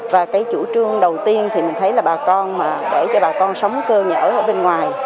và cái chủ trương đầu tiên thì mình thấy là bà con mà để cho bà con sống cơ nhở ở bên ngoài